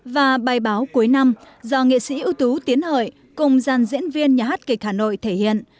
và bài báo cuối năm do nghệ sĩ ưu tú tiến hợi cùng giàn diễn viên nhà hát kịch hà nội thể hiện